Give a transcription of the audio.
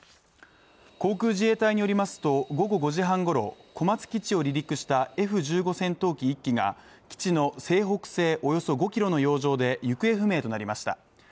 航空自衛隊によりますと、午後５時半ごろ、小松基地を離陸したＦ１５戦闘機１機が基地の西北西およそ５ｋｍの洋上で行方不明となりました。